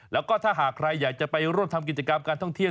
แล้วก็ถ้าหากใครอยากจะไปร่วมทำกิจกรรมการท่องเที่ยว